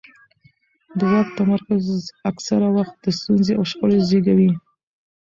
د واک تمرکز اکثره وخت ستونزې او شخړې زیږوي